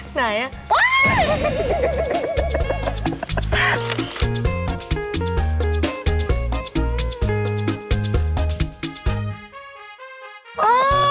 ไหนอ่ะ